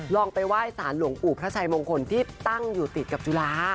ลองไปไหว้สารหลวงปู่พระชัยมงคลที่ตั้งอยู่ติดกับจุฬา